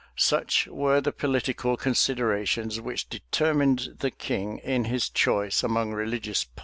[] Such were the political considerations which determined the king in his choice among religious parties.